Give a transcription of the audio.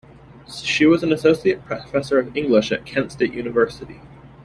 She was an associate professor of English at Kent State University.